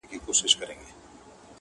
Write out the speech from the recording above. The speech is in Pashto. o تور مار مه وژنه، تور جت مړ که٫.